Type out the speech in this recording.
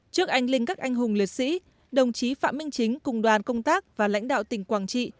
trước anh linh các anh hùng liệt sĩ đồng chí phạm minh chính cùng đoàn công tác và lãnh đạo tỉnh quảng trị